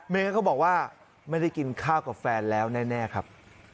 เขาบอกว่าไม่ได้กินข้าวกับแฟนแล้วแน่ครับ